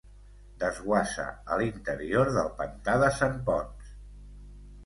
Desguassa a l'interior del Pantà de Sant Ponç.